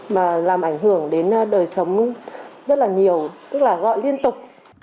mà làm ảnh hưởng đến đời sống rất là nhiều tức là gọi liên tục